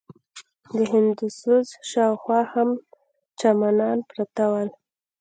د هندوسوز شاوخوا هم چمنان پراته ول.